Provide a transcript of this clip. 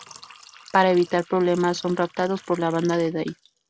Para evitar problemas, son raptados por la banda de Dave.